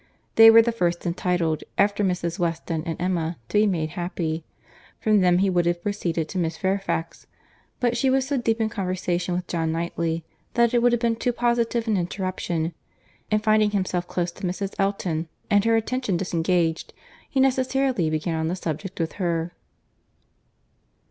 They were the first entitled, after Mrs. Weston and Emma, to be made happy;—from them he would have proceeded to Miss Fairfax, but she was so deep in conversation with John Knightley, that it would have been too positive an interruption; and finding himself close to Mrs. Elton, and her attention disengaged, he necessarily began on the subject with her.